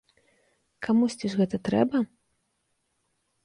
Камусьці ж гэта трэба?